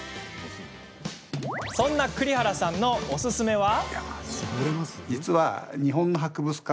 そんな栗原さんのおすすめは？